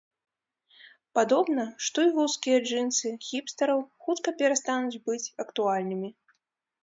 Падобна, што і вузкія джынсы хіпстараў хутка перастануць быць актуальнымі.